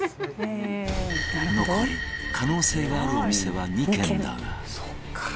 残り可能性があるお店は２軒だが